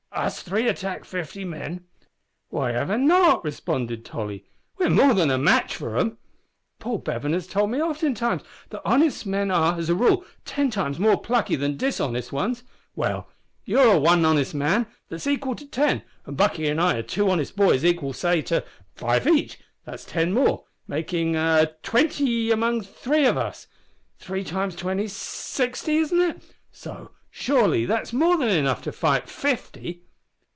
us three attack fifty men?" "Why not?" responded Tolly, "We're more than a match for 'em. Paul Bevan has told me oftentimes that honest men are, as a rule, ten times more plucky than dishonest ones. Well, you are one honest man, that's equal to ten; an' Buckie and I are two honest boys, equal, say, to five each, that's ten more, making twenty among three of us. Three times twenty's sixty, isn't it? so, surely that's more than enough to fight fifty."